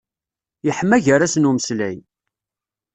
Yeḥma gar-asen umeslay.